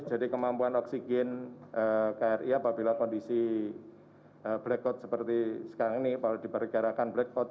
jadi kemampuan oksigen kri apabila kondisi blackout seperti sekarang ini dibarikarakan blackout